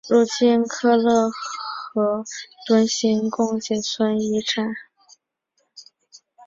如今喀喇河屯行宫仅存遗址。